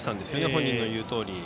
本人の言うとおり。